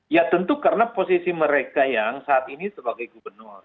ya tentu karena posisi mereka yang saat ini sebagai gubernur